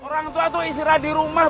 orang tua itu istirahat di rumah